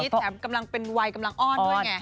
แถมกำลังเป็นวัยกำลังอ้อนด้วยไง